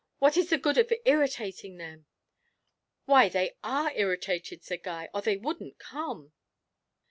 'What is the good of irritating them?' 'Why, they are irritated,' said Guy, 'or they wouldn't come.'